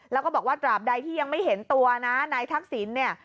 แล้วก็บอกว่าตราบใดที่ยังไม่เห็นตัวนะนายทักษิณเนี่ย